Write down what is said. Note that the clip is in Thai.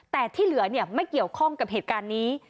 แต่ที่เหลือไม่เกี่ยวข้องกับเหตุการณ์นี้